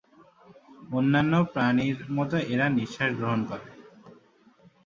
অন্যান্য প্রাণীর মত এরা নিশ্বাস গ্রহণ করে।